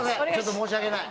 申し訳ない。